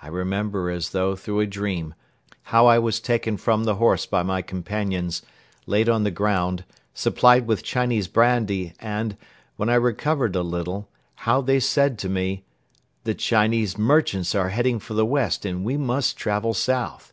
I remember as though through a dream how I was taken from the horse by my companions, laid on the ground, supplied with Chinese brandy and, when I recovered a little, how they said to me: "The Chinese merchants are heading for the west and we must travel south."